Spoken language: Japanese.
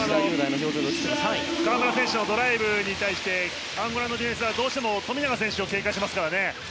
河村選手のドライブに対してアンゴラのディフェンスはどうしても富永選手を警戒していますからね。